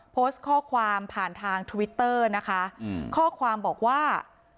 โพสต์ข้อความผ่านทางทวิตเตอร์นะคะอืมข้อความบอกว่า